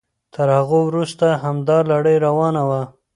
تر هغوی وروسته همدا لړۍ روانه وه.